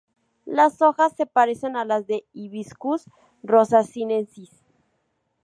Las hojas se parecen a las de "Hibiscus rosa-sinensis".